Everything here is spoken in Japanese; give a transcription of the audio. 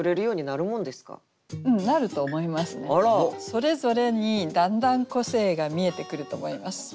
それぞれにだんだん個性が見えてくると思います。